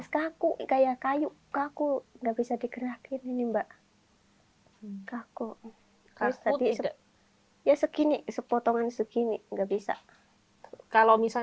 kaku kayak kayu kaku gak bisa di gerakin mbak kaku kaku tidak segini sepotongan segini nggak bisa kalau misalnya lagi diem gini ini dia bisa bergerak hidungnya ke pulangnya kemudian dia bisa melewati dia juga bisa bekerjakan dengan benda yang lain ini untuk menjaga keamanan dan kesehatan